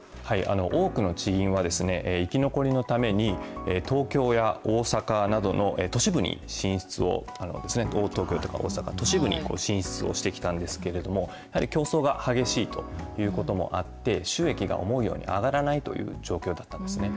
多くの地銀はですね、生き残りのために、東京や大阪などの都市部に進出を、東京とか大阪、都市部に進出をしてきたんですけれども、やはり競争が激しいということもあって、収益が思うように上がらないという状況だったんですね。